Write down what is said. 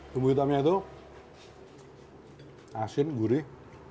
bumbu hitamnya itu asin gurih